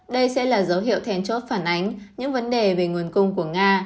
đây sẽ là dấu hiệu thèn chốt phản ánh những vấn đề về nguồn cung của nga